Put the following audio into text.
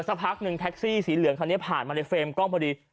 สักพักหนึ่งแท็กซี่สีเหลืองคันนี้ผ่านมาในเฟรมกล้องพอดี